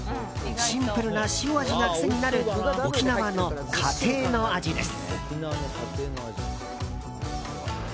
シンプルな塩味が癖になる沖縄の家庭の味です。